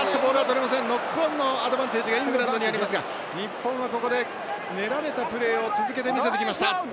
ノックオンのアドバンテージがイングランドにありますが日本はここで、練られたプレーを続けて見せてきました。